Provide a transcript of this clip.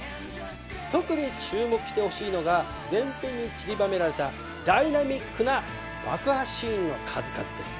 特に注目してほしいのが全編にちりばめられたダイナミックな爆破シーンの数々です。